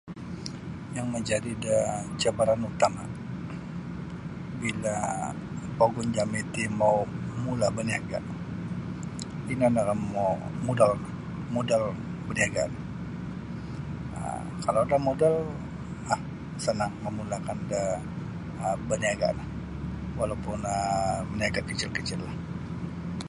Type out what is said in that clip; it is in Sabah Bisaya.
Yang majadi da cabaran utama' bila' pogun jami ti mau' mula' baniaga' ino no mau' modal modal baniaga' ti. Kalau ada modal um sanang mamula'kan da um baniaga' no walaupun um baniaga' kecil-kecillah .